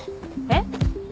えっ？